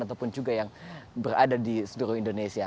ataupun juga yang berada di seluruh indonesia